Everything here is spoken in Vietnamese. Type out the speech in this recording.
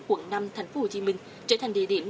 quận năm tp hcm trở thành địa điểm